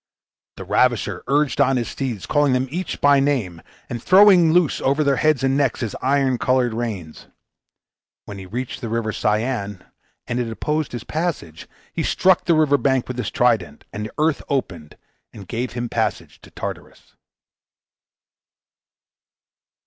The ravisher urged on his steeds, calling them each by name, and throwing loose over their heads and necks his iron colored reins. When he reached the River Cyane, and it opposed his passage, he struck the river bank with his trident, and the earth opened and gave him a passage to Tartarus.